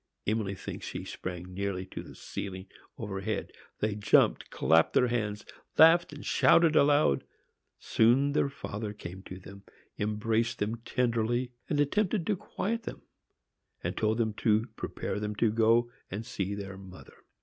Emily thinks she sprang nearly to the ceiling overhead. They jumped, clapped their hands, laughed and shouted aloud. Soon their father came to them, embraced them tenderly and attempted to quiet them, and told them to prepare them to go and see their mother.